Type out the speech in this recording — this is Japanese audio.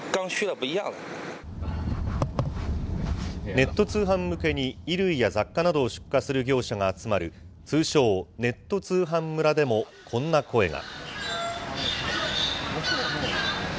ネット通販向けに、衣類や雑貨などを出荷する業者が集まる、通称、ネット通販村でもこんな声が。